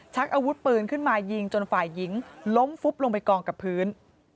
อาวุธปืนขึ้นมายิงจนฝ่ายหญิงล้มฟุบลงไปกองกับพื้น